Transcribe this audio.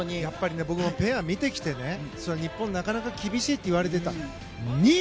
やっぱり僕もペアを見てきて日本、なかなか厳しいといわれてた。